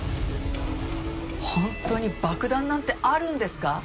本当に爆弾なんてあるんですか？